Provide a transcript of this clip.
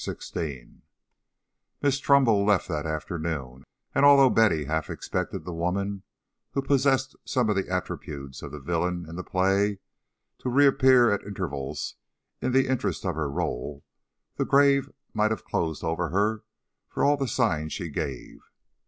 XVI Miss Trumbull left that afternoon, and although Betty half expected the woman, who had possessed some of the attributes of the villain in the play, to reappear at intervals in the interest of her role, the grave might have closed over her for all the sign she gave.